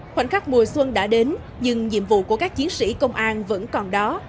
khoảnh khắc mùa xuân đã đến nhưng nhiệm vụ của các chiến sĩ công an vẫn còn đó